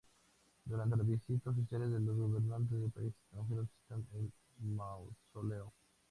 Durante las visitas oficiales, los gobernantes de países extranjeros visitan el mausoleo.